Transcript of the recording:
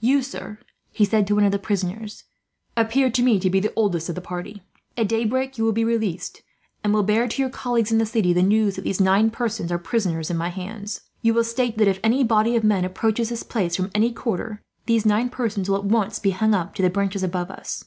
"You, sir," he said to one of the prisoners, "appear to me to be the oldest of the party. At daybreak you will be released; and will bear, to your colleagues in the city, the news that these nine persons are prisoners in my hands. You will state that, if any body of men approaches this place from any quarter, these nine persons will at once be hung up to the branches above us.